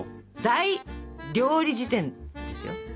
「大料理事典」ですよ。